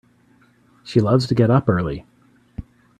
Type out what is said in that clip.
She loves to get up early.